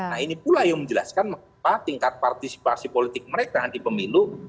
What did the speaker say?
nah ini pula yang menjelaskan mengapa tingkat partisipasi politik mereka nanti pemilu